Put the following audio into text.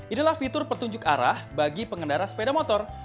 inilah fitur petunjuk arah bagi pengendara sepeda motor